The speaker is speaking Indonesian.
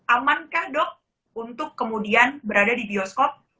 amankah dok untuk kemudian berada di bioskop